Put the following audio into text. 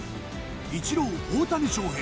イチロー大谷翔平